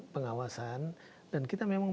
pengawasan dan kita memang